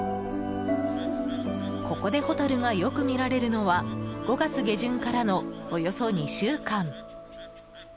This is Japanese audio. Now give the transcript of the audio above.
ここでホタルがよく見られるのは５月下旬からのおよそ２週間。